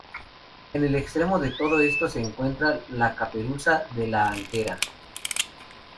En el extremo de todo esto se encuentra la caperuza de la antera.